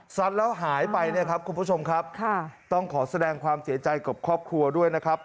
แล้วหายไปเนี่ยครับคุณผู้ชมครับต้องขอแสดงความเสียใจกับครอบครัวด้วยนะครับ